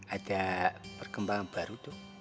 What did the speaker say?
ada perkembangan baru dok